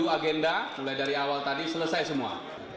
tujuh agenda mulai dari awal tadi selesai semua